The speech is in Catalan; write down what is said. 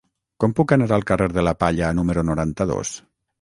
Com puc anar al carrer de la Palla número noranta-dos?